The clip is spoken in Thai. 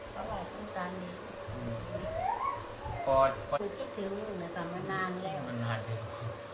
คงคิดถือเรื่องอะไรก่อนมานานแล้ว